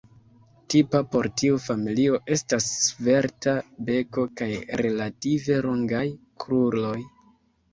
Tipa por tiu familio estas svelta beko kaj relative longaj kruroj.